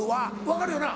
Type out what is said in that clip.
分かるよな？